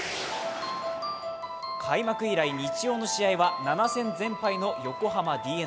開幕以来、日曜の試合は７戦全敗の横浜ＤｅＮＡ。